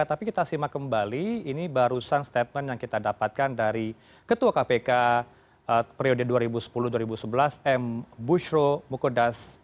tapi kita simak kembali ini barusan statement yang kita dapatkan dari ketua kpk periode dua ribu sepuluh dua ribu sebelas m bushro mukodas